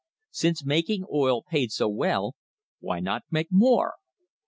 Since making oil paid so well, why not make more?